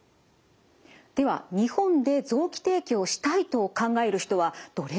では日本で臓器提供したいと考える人はどれくらいいるんでしょうか？